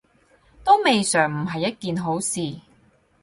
都未嘗唔係一件好事